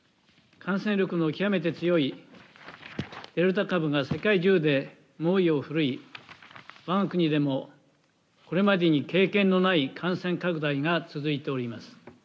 感染力の極めて強いデルタ株は世界中で猛威を振るいわが国でもこれまでに経験のない感染拡大が続いております。